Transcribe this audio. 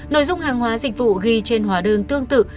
nội dung hàng hóa dịch vụ ghi trên hóa đơn tương tự